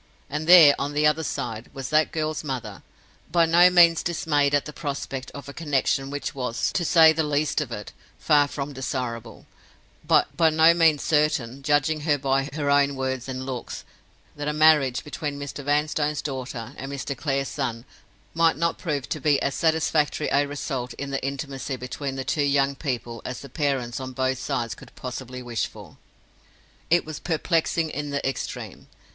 And there, on the other side, was that girl's mother, by no means dismayed at the prospect of a connection which was, to say the least of it, far from desirable; by no means certain, judging her by her own words and looks, that a marriage between Mr. Vanstone's daughter and Mr. Clare's son might not prove to be as satisfactory a result of the intimacy between the two young people as the parents on both sides could possibly wish for! It was perplexing in the extreme.